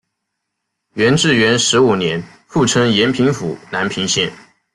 元至元十五年复称延平府南平县。